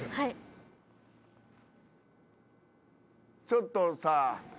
ちょっとさ。